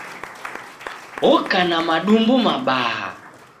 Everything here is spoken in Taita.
Oka na madumbu mabaha.